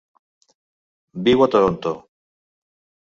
Viu a Toronto.